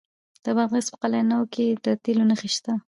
د بادغیس په قلعه نو کې د تیلو نښې شته.